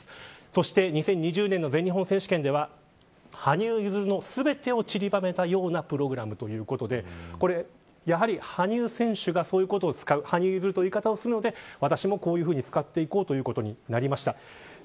そして２０２０年の全日本選手権では羽生結弦の全てを散りばめたようなプログラムということでやはり羽生選手がそういうことを使う羽生結弦という言い方もするので私もこういうふうに使っていこうということになりました。